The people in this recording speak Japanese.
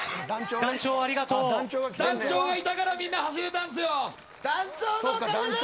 団長がいたからみんな走れたんですよ！